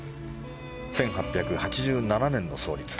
１８８７年の創立。